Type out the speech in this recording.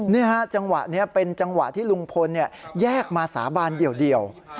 นี่ฮะจังหวะนี้เป็นจังหวะที่ลุงพลแยกมาสาบานเดียว